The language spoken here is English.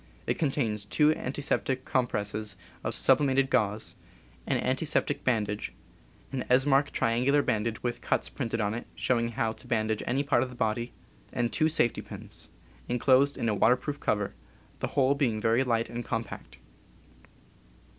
It contains two antiseptic compresses of subli mated gauze, an antiseptic bandage, an Esmarch tri angular bandage with cuts printed on it showing how to bandage any part of the body, and two safety pins, inclosed in a waterproof cover, the whole being very light and compact.